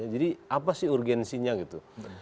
jadi apa sih urgensinya gitu